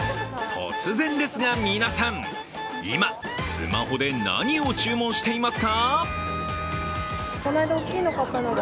突然ですが、皆さん、今、スマホで何を注文していますか？